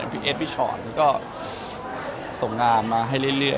พี่เอสพี่ชอตก็ส่งงามมาให้เรื่อย